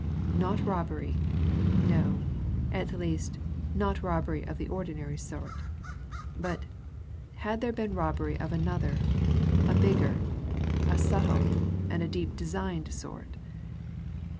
Not robbery no; at least, not robbery of the ordinary sort. But had there been robbery of another, a bigger, a subtle, and deep designed sort?